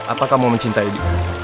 apa kamu mencintai dia